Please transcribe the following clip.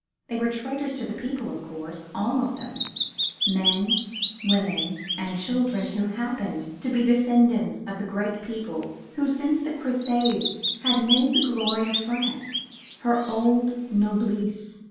They were traitors to the people of course, all of them, men, women, and children, who happened to be descendants of the great men who since the Crusades had made the glory of France: her old noblesse.